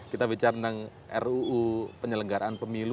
kita bicara tentang ruu penyelenggaraan pemilu